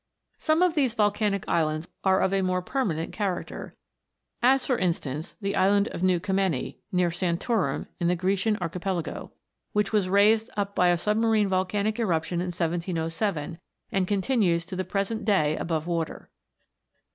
PLUTO'S KINGDOM. 305 Some of these volcanic islands are of a more per manent character ; as, for instance, the island of New Kaineni, near Santorin, in the Grecian Archipelago, which was raised up by a submarine volcanic erup tion in 1707, and continues to the present day above water.